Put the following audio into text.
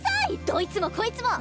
どいつもこいつも！